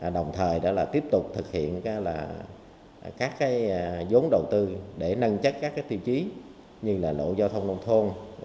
đồng thời tiếp tục thực hiện các vốn đầu tư để nâng chắc các tiêu chí như lộ giao thông nông thôn